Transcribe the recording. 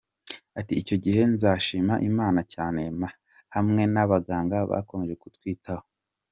Ati "icyo gihe nzashima Imana cyane, hamwe n’abaganga bakomeje kutwitaho.